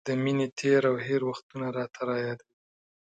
د مینې تېر او هېر وختونه راته را یادوي.